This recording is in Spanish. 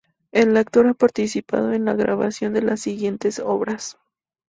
El actor ha participado en la grabación de las siguientes obras.